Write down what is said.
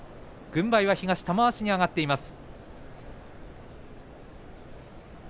軍配は玉鷲に上がっています。